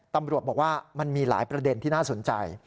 ตำรวจบอกว่ามันมีหลายประเด็นที่น่าสนใจ